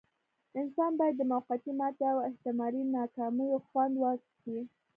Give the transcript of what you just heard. انسان بايد د موقتې ماتې او احتمالي ناکاميو خوند وڅکي.